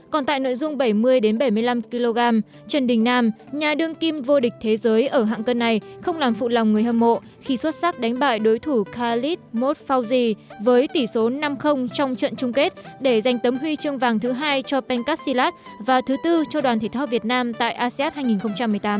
còn tại nội dung bảy mươi bảy mươi năm kg trần đình nam nhà đương kim vô địch thế giới ở hạng cân này không làm phụ lòng người hâm mộ khi xuất sắc đánh bại đối thủ calit motfauji với tỷ số năm trong trận chung kết để giành tấm huy chương vàng thứ hai cho pencastilat và thứ tư cho đoàn thể thao việt nam tại asean hai nghìn một mươi tám